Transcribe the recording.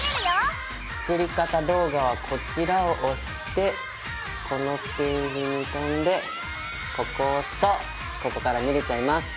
作り方動画はこちらを押してこのページに飛んでここを押すとここから見れちゃいます。